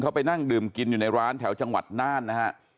เขาไปนั่งดื่มกินอยู่ในร้านแถวจังหวัดน่านนะฮะ